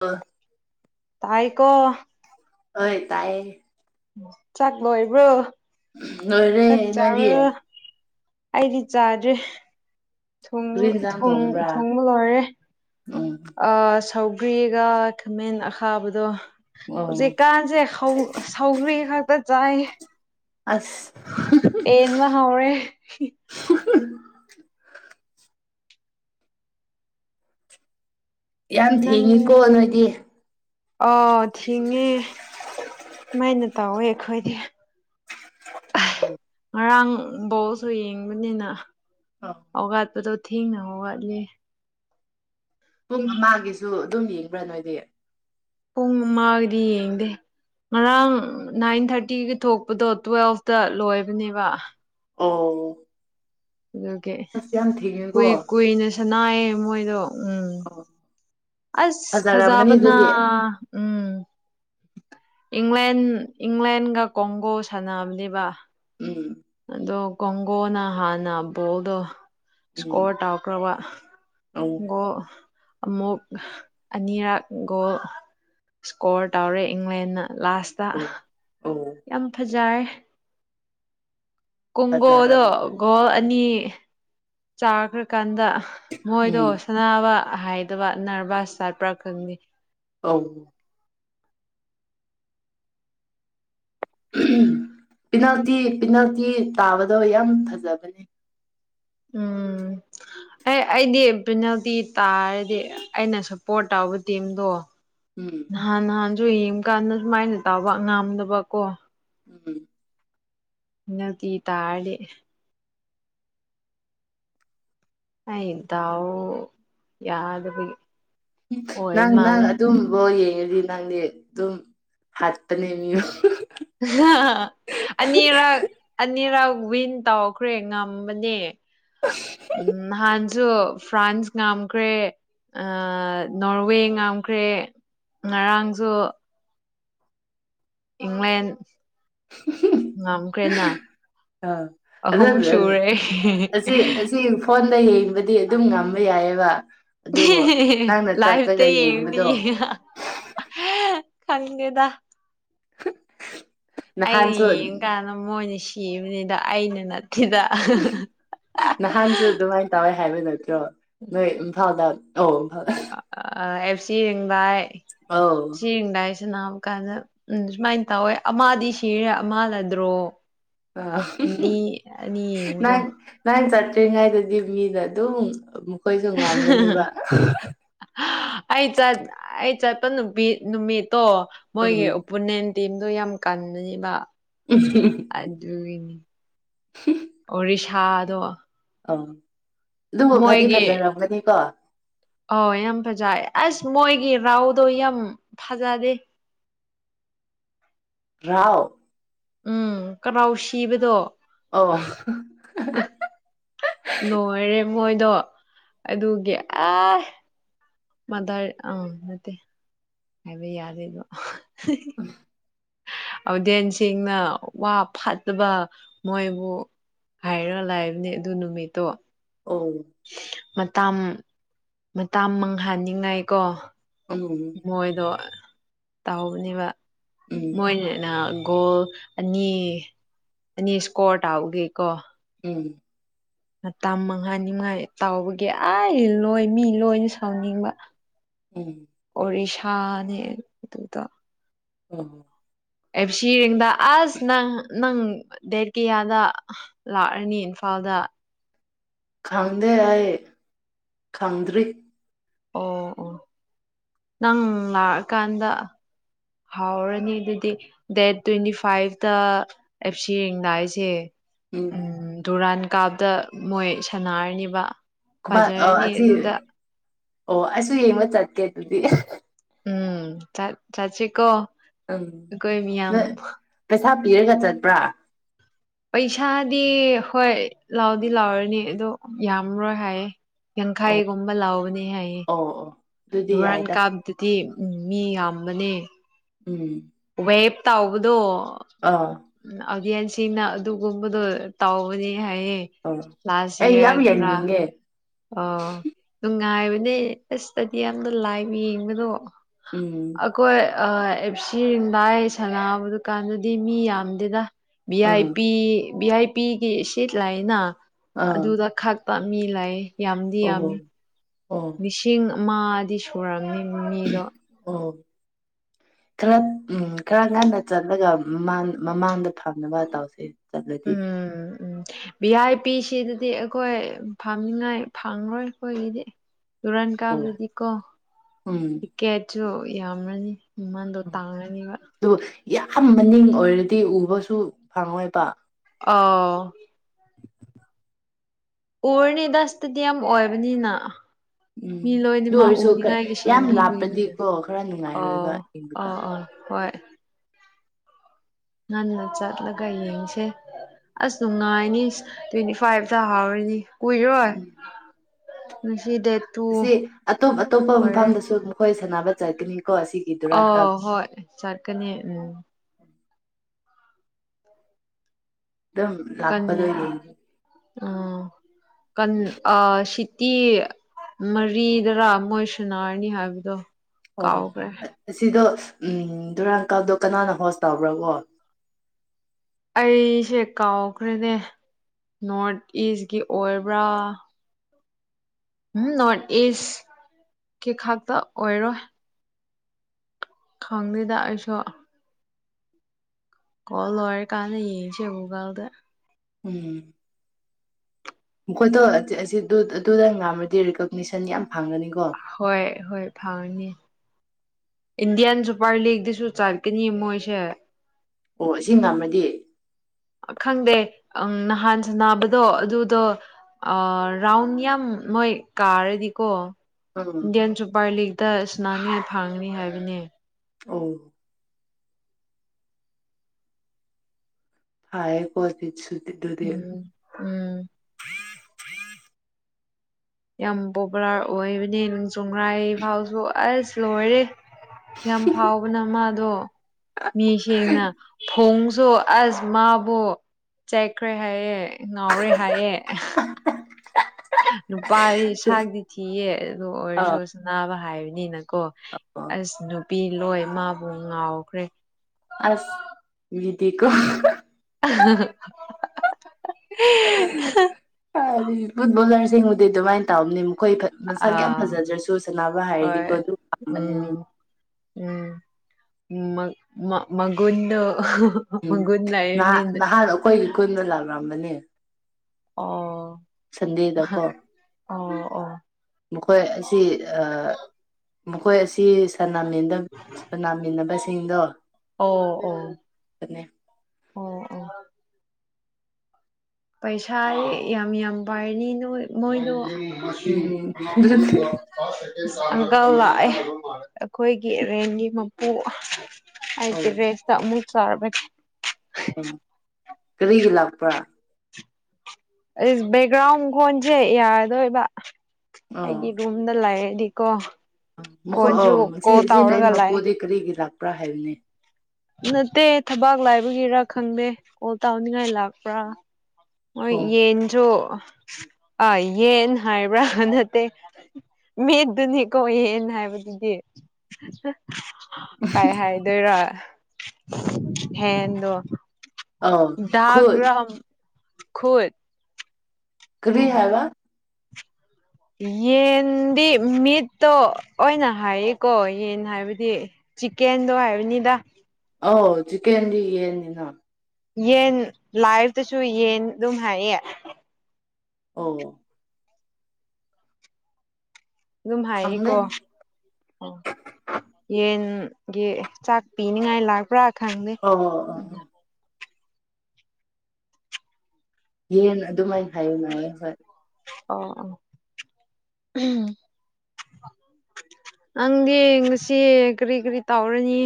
ꯑ ꯇꯥꯏ ꯀꯣ ꯍꯣꯏ ꯇꯥꯏꯌꯦ ꯆꯥꯛ ꯂꯣꯏꯕ꯭ꯔꯣ ꯂꯣꯏꯔꯦ ꯆꯥꯛ ꯅꯣꯏꯗꯤ ꯆꯥꯕ꯭ꯔꯣ ꯑꯩꯗꯤ ꯆꯥꯗ꯭ꯔꯦ ꯀꯔꯤ ꯏꯟꯁꯥꯡ ꯊꯣꯡꯕ꯭ꯔꯥ ꯊꯣꯡꯕ ꯂꯣꯏꯔꯦ ꯎꯝ ꯑ ꯁꯧꯒ꯭ꯔꯤꯒ ꯈꯥꯃꯦꯟ ꯑꯈꯥꯕꯗꯣ ꯑꯣ ꯍꯧꯖꯤꯛꯀꯥꯟꯁꯦ ꯁꯧꯒ꯭ꯔꯤ ꯈꯛꯇ ꯆꯥꯏ ꯑꯁ ꯑꯦꯟꯃ ꯍꯧꯔꯦ [unintelligible] ꯌꯥꯝ ꯊꯦꯡꯉꯤꯀꯣ ꯅꯣꯏꯗꯤ ꯑ ꯊꯤꯉꯦ ꯁꯨꯃꯥꯏꯅ ꯇꯧꯋꯦ ꯑꯩꯈꯣꯏꯗꯤ ꯎ ꯉꯔꯥꯡꯕꯥꯎꯁꯨ ꯌꯦꯡꯕꯅꯤꯅ ꯑꯣ ꯑꯒꯠꯄꯗꯣ ꯊꯦꯡꯅꯕ ꯋꯥꯠꯂꯤꯦ ꯄꯨꯡ ꯑꯃꯒꯤꯒꯤꯁꯨ ꯑꯗꯨꯝ ꯌꯦꯡꯕ꯭ꯔꯥ ꯅꯣꯏꯗꯤ ꯄꯨꯡ ꯑꯃꯒꯗꯤ ꯌꯦꯡꯗꯦ ꯉꯔꯥꯡ ꯅꯥꯏꯟ ꯊꯥꯔꯇꯤꯒꯤ ꯊꯣꯛꯄꯗꯣ ꯇꯨꯋꯦꯜꯐꯇ ꯂꯣꯏꯕꯅꯦꯕ ꯑꯣ ꯑꯗꯨꯒꯤ ꯑꯁ ꯌꯥꯝ ꯊꯦꯡꯉꯦꯀꯣ ꯀꯨꯏ ꯀꯨꯏꯅꯁꯨꯅꯥꯏꯌꯦ ꯃꯣꯏꯗꯣ ꯎꯝ ꯑꯣ ꯑꯁ ꯐꯖꯔꯝꯒꯅꯤ ꯐꯖꯕꯅ ꯑꯗꯨꯗꯤ ꯎꯝ ꯏꯪꯂꯦꯟ ꯏꯪꯂꯦꯟꯒ ꯀꯣꯡꯒꯣ ꯁꯥꯟꯅꯝꯂꯤꯕ ꯎꯝ ꯑꯗꯣ ꯀꯒꯣꯅ ꯍꯥꯥꯟꯅꯕꯣꯗꯣ ꯎꯝ ꯑꯧ ꯁꯀꯣꯠꯥꯎꯈ꯭ꯔꯕꯒꯣ ꯑꯃꯨꯛ ꯑꯅꯤꯔꯛ ꯒꯣꯜ ꯁꯀꯣꯔ ꯇꯧꯔꯦ ꯏꯪꯂꯦꯟꯅ ꯂꯥꯁꯇ ꯑꯧ ꯑꯧ ꯌꯥꯝ ꯐꯖꯔꯦ ꯀꯣꯡꯒꯣꯗꯣ ꯐꯖꯔꯝꯒꯅꯤ ꯒꯣꯜ ꯎꯝ ꯑꯅꯤ ꯆꯥꯈ꯭ꯔꯀꯥꯟꯗ ꯃꯣꯏꯗꯣ ꯎꯝ. ꯁꯅꯕ ꯍꯥꯏꯗꯕ ꯅꯔꯚꯁ ꯆꯠꯄ꯭ꯔꯥ ꯈꯪꯅꯤ ꯑ ꯄꯤꯅꯥꯜꯇꯤ ꯄꯤꯅꯥꯜꯇꯤ ꯇꯥꯕꯗꯣ ꯌꯥꯝ ꯐꯖꯕꯅꯦ ꯎꯝ ꯑꯦ ꯑꯩꯗꯤ ꯄꯦꯅꯥꯜꯇꯤ ꯇꯥꯔꯗꯤ ꯑꯩꯅ ꯁꯞꯄꯣꯔꯠ ꯇꯧꯕ ꯇꯤꯝꯗꯣ ꯎꯝ ꯅꯍꯥꯟ ꯅꯍꯥꯟꯁꯨ ꯌꯦꯡ ꯀꯥꯟꯗ ꯁꯨꯃꯥꯏꯅ ꯇꯥꯕ ꯉꯥꯝꯗꯕꯀꯣ ꯎꯝ ꯏ ꯇꯤ ꯇꯥꯔꯦ ꯑ ꯏꯗꯎ ꯌꯥꯗꯕꯨ ꯅꯪ ꯅꯪ ꯑꯗꯨꯝ ꯍꯦ ꯗꯤ ꯅꯪꯗꯤ ꯑꯗꯨꯝ ꯍꯥꯠꯇꯅꯦ ꯃꯤꯌꯨ ꯑ ꯑꯅꯤꯔꯛ ꯑꯅꯤꯔꯛ ꯋꯤꯟ ꯇꯧꯈ꯭ꯔꯦ ꯉꯝꯕꯅꯦ ꯎꯝ ꯍꯥꯡ ꯁ ꯐ꯭ꯔꯥꯟꯁ ꯉꯝꯈ꯭ꯔꯦ ꯑ ꯅꯣꯔꯋꯦ ꯉꯝꯈ꯭ꯔꯦ ꯉꯔꯥꯡꯁꯨ ꯏꯪꯂꯦꯟ ꯉꯝꯈ꯭ꯔꯦꯅ ꯑꯥ ꯑꯍꯨꯝ ꯑ ꯁꯨꯔꯦ ꯑꯁꯤ ꯑꯁꯤ ꯐꯣꯟꯗ ꯌꯦꯡꯕꯗꯤ ꯑꯗꯨꯝ ꯉꯝꯕ ꯌꯥꯏꯑꯕ ꯑꯗꯨꯕꯨ ꯅꯪꯅ ꯆꯠꯂꯒ ꯂꯥꯏꯐꯇꯩ ꯌꯦꯗꯤ ꯌꯦꯡꯕꯗꯣ ꯈꯗꯦꯗ ꯑꯩꯅ ꯅꯍꯥꯟꯁꯨ ꯌꯦꯡꯀꯥꯟꯗ ꯃꯣꯏꯅ ꯁꯤꯕꯅꯤꯗ ꯑꯩꯅ ꯈꯤꯗ ꯅꯍꯥꯟꯁꯨ ꯑꯗꯨꯃꯥꯏꯅ ꯇꯧꯋꯦ ꯍꯥꯏꯕ ꯅꯠꯇ꯭ꯔꯣ ꯅꯣꯏ ꯏꯝꯐꯥꯜꯗ ꯑꯣ ꯑ ꯑꯦꯞ ꯁꯤꯔꯤꯦꯡꯕꯥꯏ ꯑꯥꯎ ꯁꯅꯥ ꯀꯥꯟꯗ ꯎꯝ ꯁꯨꯃꯥꯏꯅ ꯇꯧꯋꯦ ꯑꯃꯗꯤ ꯁꯤꯔꯦ ꯑꯃꯂꯗ꯭ꯔꯣ ꯌꯦꯡꯕꯗꯣ ꯑ ꯟ ꯆꯠ ꯇꯔꯤꯉꯥꯏꯗꯗꯤ ꯃꯤꯅ ꯑꯗꯨꯝ ꯃꯈꯣꯏꯁꯨ ꯉꯥꯝꯕꯅꯦꯕ ꯑꯩ ꯑꯩ ꯆꯠꯄ ꯅꯨꯄꯤ ꯅꯨꯃꯤꯠꯇꯣ ꯎꯝ ꯃꯣꯏꯒꯤ ꯑꯣꯄꯣꯅꯦꯟ ꯇꯦꯝꯗꯣ ꯌꯥꯝ ꯀꯟꯅꯅꯦꯕ ꯑꯗꯨꯒꯤꯅꯤ ꯑꯣꯔꯤꯁꯥꯗꯣ ꯑꯣ ꯑꯗꯨꯕꯨ ꯐꯗꯤ ꯐꯖꯔꯝꯒꯅꯤꯀꯣ ꯑ ꯌꯥꯝ ꯐꯖ ꯑꯁ ꯃꯣꯏꯒꯤ ꯔꯥꯎꯗꯣ ꯌꯥꯝ ꯐꯖꯗꯦ ꯔꯥꯎ ꯎꯝ ꯀꯔꯥꯎ ꯁꯤꯕꯗꯣ ꯑꯣ ꯂꯣꯏꯔꯦ ꯃꯣꯏꯗꯣ ꯑꯗꯨꯒꯤ ꯑꯦ ꯃꯗꯥ ꯑꯥ ꯅꯠꯇꯦ ꯍꯥꯏꯕ ꯌꯥꯗꯦꯗꯣ ꯍꯥꯎꯗꯦꯟꯁꯤꯡꯅ ꯋꯥ ꯐꯠꯇꯕ ꯃꯣꯏꯕꯨ ꯍꯥꯏꯔꯒ ꯂꯥꯛꯕꯅꯦ ꯑꯗꯨ ꯅꯨꯃꯤꯠꯇꯣ ꯑꯣ ꯃꯇꯝ ꯃꯇꯥ ꯃꯪꯍꯟꯅꯤꯡꯉꯥꯏꯀꯣ ꯎꯝ ꯃꯣꯏꯗꯣ ꯇꯥꯍꯧꯕꯅꯦꯕ ꯎꯝ ꯃꯣꯏꯅ ꯒꯣꯜ ꯑꯅꯤ ꯑꯅꯤ ꯏꯁꯀꯣꯔ ꯇꯥꯎꯒꯦ ꯀꯣ ꯎꯝ ꯃꯇꯝ ꯃꯉꯥ ꯅꯤꯉꯥꯏ ꯇꯥꯎꯕꯒꯤ ꯑꯩ ꯂꯣꯏ ꯃꯤ ꯂꯣꯏꯅ ꯁꯥꯎꯅꯤꯡꯕ ꯎꯝ ꯔꯤꯁꯥꯅꯤꯗ ꯑ ꯑꯦꯞ ꯁꯤꯔꯤꯦꯡꯗꯥ ꯑꯁ ꯅꯪ ꯅꯪ ꯗꯦꯠ ꯀꯌꯥꯗ ꯂꯥꯛꯑꯅꯤ ꯏꯝꯐꯥꯜꯗ ꯈꯪꯗꯦ ꯍꯥꯏꯌꯦ ꯈꯪꯗ꯭ꯔꯤ ꯑꯣ ꯑꯣ ꯅꯪ ꯂꯥꯛꯑꯀꯥꯟꯗ ꯍꯥꯎꯔꯅꯤ ꯑꯗꯨꯗꯤ ꯗꯦꯠ ꯇ꯭ꯋꯦꯟꯇꯤ ꯐꯥꯏꯚꯇ ꯑꯦꯞꯁꯤ ꯌꯦꯡꯅꯥꯏꯁꯦ ꯎꯝ ꯗꯨꯨꯔꯥꯟ ꯀꯥꯞꯗ ꯃꯣꯏ ꯁꯥꯟꯅꯔꯅꯤꯕ ꯑ ꯐꯖꯔꯅꯤ ꯑꯁꯤ ꯑꯗꯨꯗ ꯑꯣ ꯑꯩꯁꯨ ꯌꯦꯡꯕ ꯆꯠꯀꯦ ꯑꯗꯨꯗꯤ ꯎꯝ ꯆ ꯆꯁꯤ ꯀꯣ ꯎꯝ ꯅꯣꯏ ꯄꯩꯁꯥ ꯄꯤꯔꯒ ꯆꯠꯄ꯭ꯔꯥ ꯄꯩꯁꯥꯗꯤ ꯍꯣꯏ ꯂꯥꯎꯗꯤ ꯂꯥꯎꯔꯅꯤ ꯑꯗꯣ ꯌꯥꯝꯔꯣꯏ ꯍꯥꯏꯌꯦ ꯑꯣ ꯌꯥꯡꯈꯥꯏꯒꯨꯝꯕ ꯂꯥꯎꯕꯅꯦ ꯍꯥꯏꯌꯦ ꯑꯣ ꯑꯣ ꯑꯗꯨꯗꯤ ꯍꯨꯔꯥꯟ ꯌꯥꯏꯗ ꯀꯥꯞꯗꯗꯤ ꯃꯤ ꯌꯥꯝꯕꯅꯦ ꯎꯝ ꯋꯥꯌꯦꯦꯞ ꯇꯥꯎꯕꯗꯣ ꯑꯥ ꯑꯚꯌꯥꯟꯁꯤꯡꯅ ꯑꯗꯨꯒꯨꯝꯕꯗꯣ ꯇꯥꯎꯕꯅꯤ ꯍꯥꯏꯌꯦꯑꯌꯦ ꯑꯧ ꯂꯥꯁ ꯑꯩ ꯌꯥꯝ ꯏꯌꯥꯔꯗꯨꯔ ꯌꯦꯡꯅꯤꯡꯉꯦ ꯑꯣ ꯅꯨꯡꯉꯥꯏꯕꯅꯦ ꯑꯁꯇꯗꯤ ꯌꯥꯝꯅ ꯂꯥꯏꯕ ꯌꯦꯡꯕꯗꯣ ꯎꯝ ꯑꯩꯈꯣꯏ ꯑꯦꯞ ꯁꯤ ꯔꯤꯗꯥꯏ ꯁꯅꯥꯕ ꯗꯨꯀꯥꯟꯗꯨꯗꯤ ꯃꯤ ꯌꯥꯝꯗꯦꯗ ꯚꯤ ꯑꯥꯏ ꯑꯥ ꯄꯤ ꯚꯤ ꯑꯥꯏ ꯄꯤꯒꯤꯁꯤꯠ ꯂꯥꯏꯅ ꯑꯥ ꯑꯗꯨꯗ ꯈꯛ ꯇꯞ ꯃꯤ ꯂꯥꯛꯑꯦ ꯌꯥꯝꯗꯤ ꯑꯣ ꯌꯥꯝꯃꯤ ꯑꯣ ꯂꯤꯁꯤꯡ ꯑꯃꯗꯤꯗꯤ ꯁꯨꯔꯝꯅꯤ ꯎꯝ ꯃꯤꯗꯣ ꯑꯣ ꯈꯔ ꯎꯝ ꯈꯔ ꯉꯟꯅ ꯆꯠꯂꯒ ꯃꯃꯥꯡ ꯃꯃꯥꯡꯗ ꯊꯝꯅꯕ ꯇꯥꯎꯁꯦ ꯆꯠꯂꯗꯤ ꯎꯝ ꯎꯝ ꯚꯤ ꯑꯥꯏ ꯄꯤ ꯁꯤꯗꯗꯤ ꯑꯩꯈꯣꯏ ꯐꯥꯝꯅꯤꯉꯥꯏ ꯐꯪꯔꯣꯏ ꯑꯩꯈꯣꯏꯒꯤꯗꯤ ꯇꯨꯔꯥꯟ ꯑꯣ ꯀꯥꯕꯗꯤꯀꯣ ꯎꯝ ꯇꯤꯛꯀꯦꯠꯁꯨ ꯌꯥꯝꯔꯅꯤ ꯏꯃꯗꯣ ꯎꯝ ꯇꯥꯡꯅꯤꯕ ꯑꯗꯨ ꯌꯥꯝ ꯃꯅꯤꯡ ꯑꯣꯏꯔꯗꯤ ꯎꯕꯁꯨ ꯐꯪꯉꯣꯏꯕ ꯑꯥ ꯎꯔꯅꯤꯗ ꯏꯁꯇꯦꯗꯤꯌꯝ ꯑꯣꯏꯕꯅꯤꯅ ꯃꯤ ꯎꯝ ꯑꯗꯨ ꯂꯣꯏꯅꯃꯛ ꯑꯣꯏꯔꯁꯨ ꯎꯅꯤꯡꯉꯥꯏꯒꯤ ꯌꯥꯝ ꯁꯦꯝꯕꯤꯕꯒꯤꯅꯦ ꯂꯥꯞꯄꯗꯤꯀꯣ ꯈꯔ ꯑ ꯅꯨꯡꯉꯥꯏꯔꯣꯏꯕ ꯌꯦꯡꯕꯗꯣ ꯑꯥ ꯑꯥ ꯍꯣꯏ ꯅꯥꯟ ꯂꯖꯖꯥꯠ ꯂꯒꯥꯏ ꯌꯥꯁ ꯑꯁ ꯅꯨꯡꯉꯥꯏꯅꯤ ꯇ꯭ꯋꯦꯟꯇꯤ ꯐꯥꯏꯚꯇ ꯍꯥꯎꯔꯤꯅꯤ ꯀꯨꯏꯔꯣꯏ ꯎꯝ ꯗꯦꯠ ꯇꯨ ꯑꯁꯤ ꯑꯇꯣꯞ ꯑꯇꯣꯞꯄ ꯑꯣꯏꯔꯦ ꯃꯐꯝꯗꯁꯨ ꯃꯈꯣꯏ ꯁꯥꯟꯅꯕ ꯆꯠꯀꯅꯤ ꯑ ꯍꯣꯏ ꯆꯠꯀꯅꯤ ꯎꯝ ꯑꯗꯨꯝ ꯀꯟ ꯂꯄꯗꯣ ꯎꯝ ꯀꯟ ꯑ ꯁꯤꯇꯤ ꯃꯔꯤꯗꯔꯥ ꯃꯣꯏ ꯁꯅꯥꯔꯅꯤ ꯍꯥꯏꯕꯗꯣ ꯑꯣ ꯀꯥꯎꯈ꯭ꯔꯦ ꯁꯤꯗ ꯎꯝ ꯗꯨꯨꯔꯥꯡꯀꯥꯞꯗꯣ ꯀꯅꯥꯅ ꯍꯣꯁ ꯇꯕ꯭ꯔꯕꯣ ꯑꯩꯁꯦ ꯀꯥꯎꯈ꯭ꯔꯦꯅꯦ ꯅꯣꯔꯠ ꯏꯁꯀꯤ ꯑꯣꯏꯕ꯭ꯔꯥ ꯎꯝ ꯅꯣꯔꯠ ꯏꯁꯀꯤ ꯈꯥꯛꯇ ꯑꯣꯏꯔꯣꯏ ꯈꯪꯗꯦꯗ ꯑꯩꯁꯨ ꯀ ꯋꯥꯔ ꯀꯥꯥꯟ ꯌꯦ ꯆꯒꯗ ꯎꯝ ꯣꯠꯇꯣ ꯑꯗꯨꯗ ꯉꯥꯝꯃꯗꯤ ꯦꯀꯣꯅꯤꯁꯟ ꯌꯥꯝ ꯐꯪꯒꯅꯤꯀꯣ ꯍꯣꯏ ꯍꯣꯏ ꯐꯥꯅꯤ ꯏꯟꯗꯤꯌꯥꯟ ꯁꯨꯄꯔ ꯂꯤꯒꯗꯤꯁꯨ ꯆꯠꯀꯅꯤ ꯃꯣꯏꯁꯦ ꯑꯣ ꯑꯁꯤ ꯉꯃꯗꯤ ꯈꯪꯗꯦ ꯑ ꯅꯍꯥꯟ ꯁ ꯅꯥꯕꯗꯣ ꯑꯗꯨꯗꯣ ꯑ ꯔꯥꯎꯟ ꯌꯥꯝ ꯃꯣꯏ ꯀꯥꯔꯗꯤꯀꯣ ꯎꯝ ꯏꯟꯗꯤꯌꯥꯟ ꯁꯨꯄꯔ ꯂꯤꯒꯇ ꯏꯁꯅꯥꯃꯤ ꯐꯪꯅꯤ ꯍꯥꯏꯕꯅꯤ ꯑ ꯍꯌꯦ ꯀꯣꯁꯤ ꯏ ꯎꯝ ꯎꯝ ꯍꯏ ꯌꯥꯝ ꯄꯣꯄꯨꯂꯔ ꯑꯣꯏꯕꯅꯦ ꯅꯣꯡꯖꯣꯡ꯭ꯔꯥ ꯐꯥꯎꯁꯨ ꯑꯁ ꯂꯣꯏꯔꯦ ꯌꯥꯝ ꯐꯥꯎꯕꯅ ꯃꯥꯗꯣ ꯃꯤ ꯁꯦꯡꯅ ꯐꯣꯡ ꯁꯨ ꯑꯁ ꯃꯥꯕꯨ ꯆꯥꯏꯈ꯭ꯔꯦ ꯍꯥꯏꯌꯦꯦ ꯉꯥꯎꯔꯦ ꯍꯥꯏꯑꯦ ꯅꯨꯄꯥꯗꯤ ꯁꯥꯛꯇꯤ ꯊꯤꯌꯦ ꯑꯗꯨꯗ ꯑꯣꯏꯔꯁꯨ ꯑꯥ ꯁꯅꯥꯕ ꯍꯥꯏꯕꯅꯤ ꯅ ꯀꯣ ꯑꯁ ꯅꯨꯄꯤ ꯂꯣꯏ ꯃꯥꯕꯨ ꯉꯥꯎꯈ꯭ꯔꯦ ꯑꯁ ꯗꯤ ꯀꯣ ꯎ ꯍꯥꯏꯗꯤ ꯐꯨꯠꯕꯣꯂꯔꯁꯤꯡꯕꯨꯗꯤ ꯑꯗꯨꯃꯥꯏꯅ ꯇꯧꯝꯅꯦ ꯑꯃꯨꯛ ꯑꯩꯈꯣꯏ ꯃꯁꯥꯒꯤ ꯌꯥꯝ ꯑꯥ ꯐꯖꯗ꯭ꯔꯁꯨ ꯁꯅꯥꯅꯕ ꯍꯥꯏꯔꯗꯤꯀꯣ ꯍꯣꯏ ꯑꯗꯨ ꯄꯥꯝꯕꯅꯦ ꯃꯤꯅꯦ ꯎꯝ ꯎꯝ ꯃ ꯃ ꯃꯒꯨꯟꯅ ꯎꯝ ꯒꯨꯟ ꯂꯏꯅꯤ ꯅꯍꯥꯟ ꯅꯍꯥꯟ ꯑꯩꯈꯣꯏꯒꯤ ꯈꯨꯟꯗ ꯂꯥꯛꯂꯝꯕꯅꯦ ꯑꯣ ꯁꯟꯗꯦꯗꯀꯣ ꯑꯣ ꯑꯣ ꯃꯈꯣꯏ ꯑꯁꯤ ꯃꯈꯣꯏ ꯑꯁꯤ ꯁꯥꯟꯅꯃꯤꯟꯅꯕꯁꯤꯡꯗꯣ ꯑꯣ ꯑꯣ ꯑꯣ ꯑꯣ ꯄꯩꯁꯥ ꯌꯥꯝ ꯌꯥꯝ ꯄꯥꯏꯔꯅꯤ ꯅꯣꯏ ꯃꯣꯏꯗꯣ ꯎꯝ ꯐ [inaudible] ꯑꯁ ꯑꯪꯀꯜ ꯂꯥꯛꯑꯦ ꯑꯩꯈꯣꯏꯒꯤ ꯔꯦꯟꯒꯤ ꯃꯄꯨ ꯑꯩꯒꯤ ꯑꯧ ꯔꯦꯟꯇ ꯃꯨꯛ ꯆꯠꯔꯒꯦ ꯎꯝ ꯀꯔꯤꯒꯤ ꯂꯥꯛꯄ꯭ꯔꯥ ꯕꯦꯛꯒ꯭ꯔꯥꯎꯟ ꯈꯣꯟꯁꯦ ꯌꯥꯔꯗꯣꯏꯕ ꯑꯣ ꯑꯩꯒꯤ ꯔꯨꯝꯗ ꯂꯥꯛꯌ ꯗꯤꯀꯣ ꯃꯈꯣꯏ ꯑ ꯁꯤ ꯁꯤ ꯔꯦꯟ ꯂꯥꯛꯑꯦ ꯃꯄꯨꯗꯤ ꯀꯔꯤꯒꯤ ꯂꯥꯛꯄ꯭ꯔꯥ ꯍꯥꯏꯕꯅꯤ ꯅꯠꯇꯦ ꯊꯕꯥꯛ ꯂꯥꯏꯕꯒꯤꯔꯥ ꯈꯪꯗꯦ ꯐꯣꯜ ꯇꯥꯎꯅꯤꯡꯉꯥꯏ ꯂꯥꯛꯄ꯭ꯔꯥ ꯍꯣꯏ ꯑꯣ ꯌꯦꯟꯁꯨ ꯑꯥ ꯌꯦꯟ ꯍꯥꯏꯕ꯭ꯔꯥ ꯅꯠꯇꯦ ꯃꯦꯗꯨꯅꯤꯀꯣ ꯌꯦꯟ ꯍꯥꯏꯕꯁꯤ ꯀꯩ ꯍꯥꯏꯗꯣꯏꯔ ꯍꯦꯟꯗꯣ ꯑꯧ ꯈꯨ ꯒ꯭ꯔꯥ ꯈꯠ [inaudible] ꯀꯔꯤ ꯍꯥꯏꯕ ꯌꯦꯟꯗꯤ ꯃꯤꯠꯇꯣ ꯑꯣꯏꯅ ꯍꯥꯏꯔꯤꯀꯣ ꯌꯦꯟ ꯍꯥꯏꯕꯗꯤ ꯆꯤꯀꯦꯟꯗꯣ ꯍꯥꯏꯕꯅꯤꯗ ꯑ ꯆꯤꯀꯦꯟꯗꯤ ꯌꯦꯅꯤꯅ ꯌꯦꯟ ꯂꯥꯏꯐꯇꯁꯨ ꯌꯦꯟ ꯑꯗꯨꯝ ꯍꯥꯏ ꯌꯦ ꯑꯥꯎ ꯑꯗꯨꯝ ꯈꯪꯗꯦ ꯍꯥꯏꯌꯦꯀꯣ ꯌꯦꯟ ꯒꯤ ꯆꯥꯛ ꯄꯤꯅꯤꯉꯥꯏ ꯂꯥꯛꯄ꯭ꯔꯥ ꯈꯪꯗꯦ ꯑꯧ ꯑꯧ ꯑꯧ ꯑꯧ ꯌꯦꯟꯅ ꯑꯗꯨꯃꯥꯏꯅ ꯍꯥꯏꯌꯨ ꯉꯥꯏꯌꯦ ꯍꯣꯏ ꯑꯣ ꯑꯣ ꯎꯝ ꯅꯪꯗꯤ ꯉꯁꯤ ꯀꯔꯤ ꯀꯔꯤ ꯇꯥꯎꯔꯅꯤ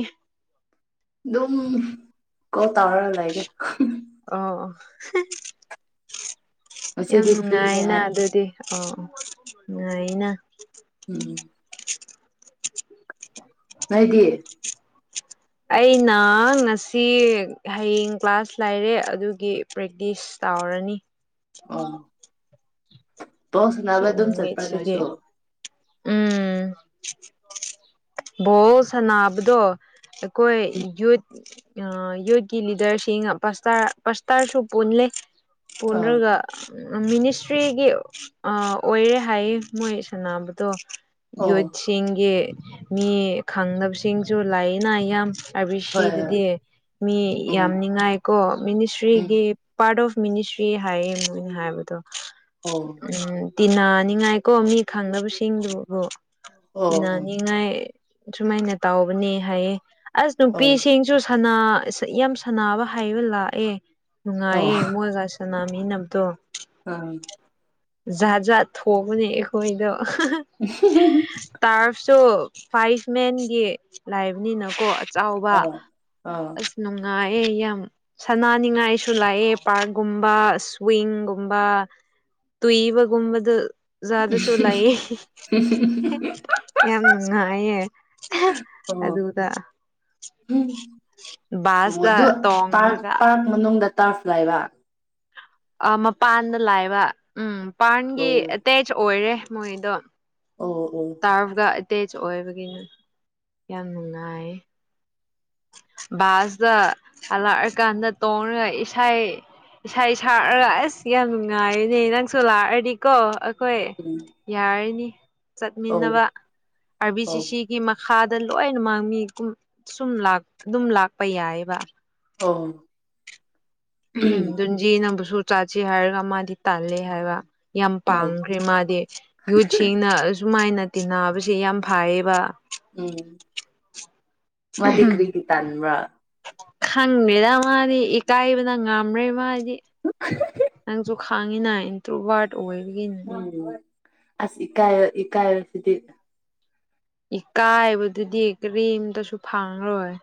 ꯑꯗꯨꯝ ꯀꯣꯜ ꯇꯧꯔ ꯂꯩꯒꯦ ꯑꯣ ꯌꯥꯝ ꯉꯁꯤꯗꯤ ꯐ꯭ꯔꯤꯅꯦ ꯅꯨꯡꯉꯥꯏꯅ ꯑꯩ ꯑꯗꯨꯗꯤ ꯑꯣ ꯅꯨꯡꯉꯥꯏꯅ ꯎꯝ [unintelligible] ꯅꯣꯏꯗꯤ ꯑꯩꯅ ꯉꯁꯤ ꯍꯌꯦꯡ ꯀ꯭ꯂꯥꯁ ꯂꯩꯔꯦ ꯑꯗꯨꯒꯤ ꯄ꯭ꯔꯦꯛꯇꯤꯁ ꯆꯥꯎꯔꯅꯤ ꯑꯣ ꯕꯣꯜ ꯁꯥꯟꯅꯕ ꯑꯗꯨꯝ ꯁꯤꯅꯨꯃꯤꯝ ꯆꯠꯄ꯭ꯔꯥ ꯁꯤꯗꯤ ꯅꯣꯏꯁꯨ ꯎꯝ ꯕꯣꯜ ꯁꯅꯥꯕꯗꯣ ꯑꯩꯈꯣꯏ ꯎꯝ ꯌꯨꯠ ꯑ ꯌꯨꯠꯀꯤ ꯂꯤꯗꯔꯁꯤꯡ ꯄꯁꯇꯥꯔ ꯄꯁꯇꯥꯔꯁꯨ ꯄꯨꯜꯂꯦ ꯑꯥ ꯎꯅꯒ [inaudible] ꯃꯤꯅꯤꯁꯇ꯭ꯔꯤꯒꯤ ꯑꯣꯏꯔꯦ ꯍꯥꯏꯌꯦ ꯃꯣꯏ ꯁꯥꯟꯅꯕꯗꯣ ꯑꯣ ꯌꯨꯠꯁꯤꯡꯒꯤ ꯃꯤ ꯈꯪꯅꯕꯁꯤꯡꯁꯨ ꯂꯥꯏꯅꯥ ꯌꯥꯝ ꯑꯥꯔꯕꯤ ꯍꯣꯏ ꯍꯣꯏ ꯁꯤꯗꯗꯤ ꯃꯤ ꯌꯥꯝ ꯎꯝ ꯉꯥꯏꯀꯣ ꯎꯝ ꯃꯤꯅꯤꯁꯇ꯭ꯔꯤꯒꯤ ꯄꯥꯔꯠ ꯑꯣꯐ ꯃꯤꯅꯤꯁꯇ꯭ꯔꯤ ꯍꯥꯏꯌꯦꯅ ꯍꯥꯏꯕꯗꯣ ꯍ [unintelligible] ꯎꯝ ꯇꯤꯟꯅꯅꯤꯡꯉꯥꯏꯀꯣ ꯃꯤ ꯈꯪꯗꯕꯁꯤꯡꯗꯨꯕꯨ ꯑꯣ ꯇꯤꯟꯅꯅꯤꯡꯉꯥꯏ ꯁꯨꯃꯥꯏꯅ ꯇꯥꯎꯕꯅꯦ ꯍꯥꯏꯌꯦ ꯑꯁ ꯑꯣ ꯅꯨꯄꯤꯁꯤꯡꯁꯨ ꯌꯥꯝ ꯁꯅꯕ ꯍꯥꯏꯕ ꯂꯥꯛꯑꯦ ꯑꯣ ꯅꯨꯡꯉꯥꯏꯌꯦ ꯃꯣꯏꯒ ꯁꯥꯟꯅ ꯃꯤ ꯅꯝꯗꯣ [inaudible] ꯑ [unintelligible] [inaudible] ꯖꯥꯠ ꯖꯥꯠ ꯊꯣꯡꯕꯅꯦ ꯑꯩꯈꯣꯏꯗꯣ ꯇꯔ ꯇꯣ ꯐꯥꯏꯚ ꯃꯦꯟꯒꯤ ꯂꯥꯏꯕꯅꯤꯅꯀꯣ ꯆꯥꯎꯕ ꯑꯥ ꯑꯥ ꯑꯁ ꯅꯨꯡꯉꯥꯏ ꯑꯦ ꯌꯥꯝ ꯁꯅꯥꯅꯤꯡꯉꯥꯏꯁꯨ ꯂꯩꯑꯦ ꯄꯥꯔꯛꯀꯨꯝꯕ ꯁ꯭ꯋꯤꯡꯒꯨꯝꯕ [inaudible] ꯇꯨꯏꯕꯒꯨꯝꯕꯗ ꯖꯥꯗꯨꯁꯨ ꯂꯩꯥꯏꯌꯦ ꯌꯥꯝ ꯅꯨꯡꯉꯥꯏꯌꯦ ꯑꯗꯨꯗ ꯎꯝ ꯑꯣ ꯕꯥꯁꯇ ꯑꯗꯨ ꯄꯥꯔꯛ ꯇꯣꯡꯉꯒ ꯄꯥꯔꯛ ꯃꯅꯨꯡꯗ ꯇꯥꯁꯀ ꯂꯩꯕꯥ ꯑꯥ ꯃꯄꯥꯟꯗ ꯂꯩꯕ ꯎꯝ ꯄꯥꯟꯒꯤ ꯑꯣ ꯑꯦꯇꯦꯆ ꯑꯣꯏꯔꯦ ꯃꯣꯏꯗꯣ ꯑꯣ ꯇꯥꯔꯕꯐꯥ ꯑꯦꯇꯦꯆ ꯑꯣꯏꯕꯒꯤꯅ ꯌꯥꯝ ꯅꯨꯡꯉꯥꯏ ꯕꯥꯁꯇ ꯍꯜꯂꯛꯑꯀꯥꯟꯗ ꯇꯣꯡꯔꯒ ꯏꯁꯩ ꯏꯁꯩ ꯁꯥꯔꯛꯑꯒ ꯑꯁ ꯌꯥꯝ ꯅꯨꯡꯉꯥꯏꯅꯦ ꯅꯪꯁꯨ ꯂꯥꯛꯑꯔꯗꯤꯀꯣ ꯑꯩꯈꯣꯏ ꯑꯣ ꯌꯥꯔꯤꯅꯤ ꯆꯠꯃꯤꯟꯅꯕ ꯑꯣ ꯑꯥꯔ ꯕꯤ ꯁꯤ ꯁꯤꯒꯤ ꯃꯈꯥ ꯈꯥꯗ ꯂꯣꯏꯅ ꯃꯥꯡꯃꯤ ꯀꯨꯝ ꯁꯨꯝ ꯑꯗꯨꯝ ꯂꯥꯛꯄ ꯌꯥꯏꯑꯕ ꯑꯣ ꯗꯨꯟꯖꯤ ꯅꯪꯕꯨꯁꯨ ꯆꯥꯖꯤ ꯍꯥꯏꯔꯒ ꯃꯥꯗꯤ ꯇꯥꯜꯂꯦ ꯍꯥꯏꯕ ꯌꯥꯝ ꯑꯣ ꯄꯥꯝꯈ꯭ꯔꯦ ꯃꯥꯗꯤ ꯌꯨꯠꯁꯤꯅ ꯑꯁꯨꯃꯥꯏꯅ ꯇꯤꯟꯅꯕꯁꯦ ꯌꯥꯝ ꯐꯩꯌꯦꯕ ꯎꯝ ꯃꯗꯤ ꯀꯔꯤꯒꯤ ꯇꯥꯟꯕ꯭ꯔ ꯈꯪꯗꯦꯗ ꯃꯥꯗꯤ ꯏꯀꯥꯏꯕꯅ ꯉꯝꯔꯦ ꯃꯥꯗꯤ ꯅꯪꯁꯨ ꯈꯥꯡꯉꯤꯅ ꯏꯟꯇ꯭ꯔꯨ ꯕꯔꯗ ꯑꯣꯏꯕꯒꯤꯅꯤ ꯎꯝ ꯑꯁ ꯏꯀꯥꯏ ꯏꯀꯥꯏ ꯁꯤꯗꯤ ꯏꯀꯥꯏꯕꯗꯨꯗꯤ ꯀꯔꯤꯝꯇꯁꯨ ꯐꯪꯔꯣꯏ